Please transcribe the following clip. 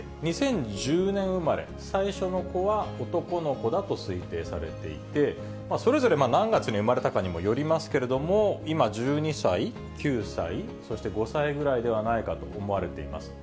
２０１０年生まれ、最初の子は男の子だと推定されていて、それぞれ何月に産まれたかによりますけれども、今１２歳、９歳、そして５歳ぐらいではないかと思われています。